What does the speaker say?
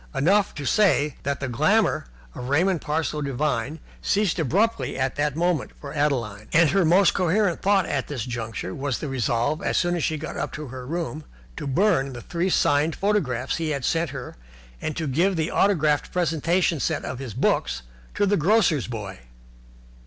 Enough to say that the glamour of Raymond Devine ceased abruptly in that moment for Adeline, and her most coherent thought at this juncture was the resolve, as soon as she got up to her room, to burn the three signed photographs he had sent her and to give the autographed presentation set of his books to the grocer's boy.